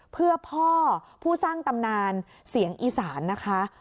เพื่อพ่อผู้สร้างตำนานเสียงอีสานนะคะ